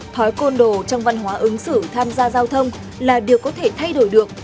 thói côn đồ trong văn hóa ứng xử tham gia giao thông là điều có thể thay đổi được